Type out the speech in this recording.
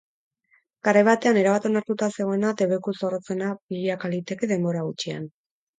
Garai batean erabat onartuta zegoena, debeku zorrotzena bilaka liteke denbora gutxian.